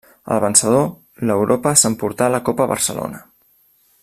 El vencedor, l'Europa s'emportà la Copa Barcelona.